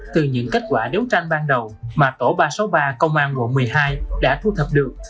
từ những kết quả đấu tranh ban đầu mà tổ ba trăm sáu mươi ba công an quận một mươi hai đã thu thập được